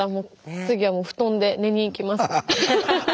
次は布団で寝に行きます。